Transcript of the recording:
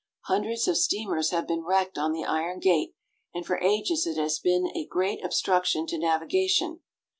Hundreds of steamers have been wrecked on the Iron Gate, and for ages it has been a great obstruction to navigation.